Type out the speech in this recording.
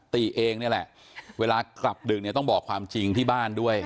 ติเองนี่แหละเวลากลับดึกเนี่ยต้องบอกความจริงที่บ้านด้วย